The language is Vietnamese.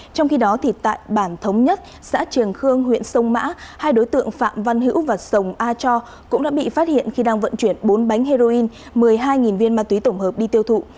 trong khi đó tại bản thống nhất xã trường khương huyện sông mã hai đối tượng phạm văn hữu và sồng a cho cũng đã bị phát hiện khi đang vận chuyển bốn bánh heroin một mươi hai viên ma túy tổng hợp đi tiêu thụ